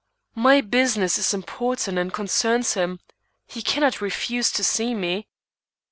"My business is important and concerns him. He cannot refuse to see me."